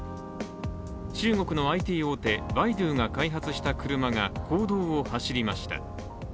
中国のＩＴ大手、バイドゥが開発した車が公道を走りました。